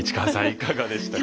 いかがでしたか？